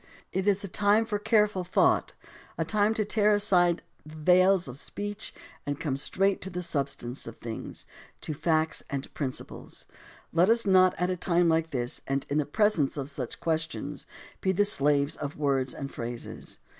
It is a time for careful thought, a time to tear aside the veils of speech and come straight to the substance of things, to facts and prin ciples. Let us not at a time like this and in the pres ence of such questions, be the slaves of words and phrases.